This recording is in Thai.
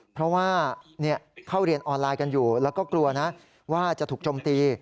เพราะว่าเข้าเรียนออนไลน์กันอยู่แล้วก็กลัวนะว่าจะถูกจมตี